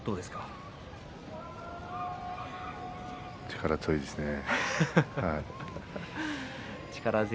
力強いですね。